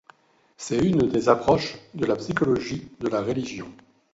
C'est une des approches de la psychologie de la religion.